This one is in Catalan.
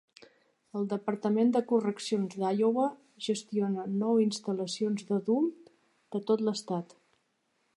El Departament de Correccions d'Iowa gestiona nou instal·lacions d'adults de tot l'estat.